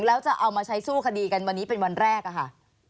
แล้วจะเอามาใช้สู้คดีกันวันนี้เป็นวันแรกอะค่ะ